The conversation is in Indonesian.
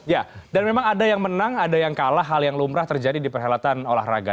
ya dan memang ada yang menang ada yang kalah hal yang lumrah terjadi di perhelatan olahraga